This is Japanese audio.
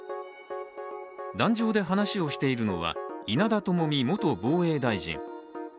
壇上で話をしているのは稲田朋美元防衛大臣。